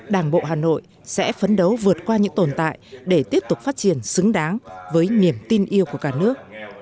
đảng bộ hà nội sẽ phấn đấu vượt qua những tồn tại để tiếp tục phát triển xứng đáng với niềm tin yêu của cả nước